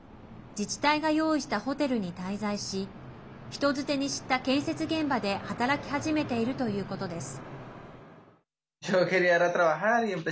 自治体が用意したホテルに滞在し人づてに知った建設現場で働き始めているということです。